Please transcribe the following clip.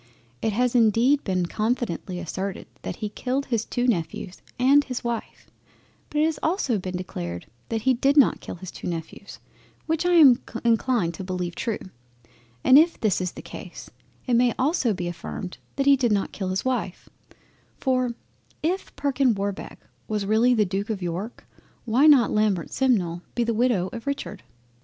It has indeed been confidently asserted that he killed his two Nephews and his Wife, but it has also been declared that he did not kill his two Nephews, which I am inclined to beleive true; and if this is the case, it may also be affirmed that he did not kill his Wife, for if Perkin Warbeck was really the Duke of York, why might not Lambert Simnel be the Widow of Richard.